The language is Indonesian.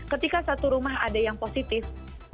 ketika satu rumah ada yang positif